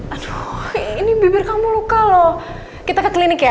aduh ini bibir kamu luka loh kita ke klinik ya